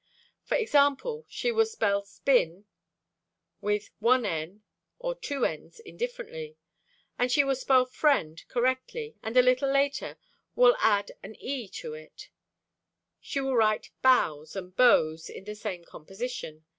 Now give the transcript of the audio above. For example, she will spell "spin" with one n or two n's indifferently: she will spell "friend" correctly, and a little later will add an e to it; she will write "boughs" and "bows" in the same composition.